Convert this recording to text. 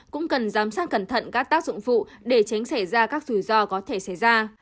cũng cần giám sát cẩn thận các tác dụng phụ để tránh xảy ra các rủi ro có thể xảy ra